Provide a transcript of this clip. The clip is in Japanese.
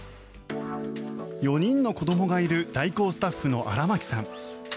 ４人の子どもがいる代行スタッフの荒牧さん。